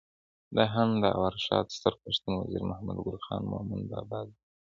دا هم د ارواښاد ستر پښتون وزیر محمد ګل خان مومند بابا لیک: